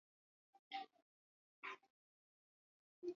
Siku hizi kuna bidhaa za nazi pamoja na viungo vingine vinavyochangia uchumi